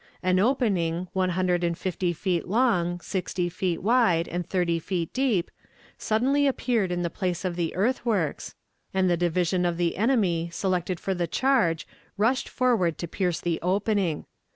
An opening, one hundred and fifty feet long, sixty feet wide, and thirty feet deep, suddenly appeared in the place of the earthworks, and the division of the enemy selected for the charge rushed forward to pierce the opening.